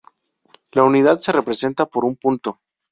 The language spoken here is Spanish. La unidad se representa por un punto.